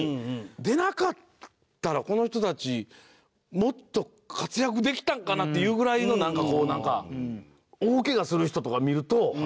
出なかったらこの人たちもっと活躍できたんかな？っていうぐらいのなんかこうなんか大ケガする人とか見ると。